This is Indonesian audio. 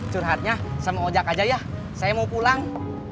curhatnya sama ojek aja ya saya mau pulang